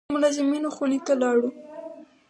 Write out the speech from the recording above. د ملازمینو خونې ته لاړو.